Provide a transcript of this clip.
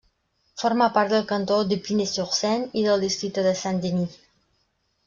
Forma part del cantó d'Épinay-sur-Seine i del districte de Saint-Denis.